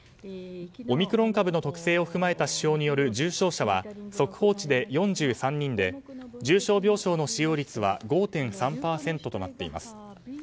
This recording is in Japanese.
オミクロン株の特性を踏まえた指標による重症者は速報値で４３人で重症病床の使用率は５．３％となっています。